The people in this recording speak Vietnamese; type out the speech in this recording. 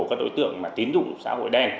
các đối tượng tín dụng xã hội đen